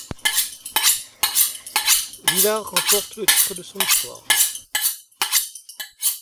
Villars remporte le titre de son histoire.